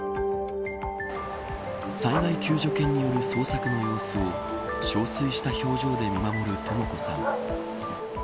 災害救助犬による捜索の様子を憔悴した表情で見守るとも子さん。